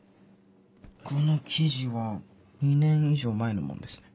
この記事は２年以上前のものですね。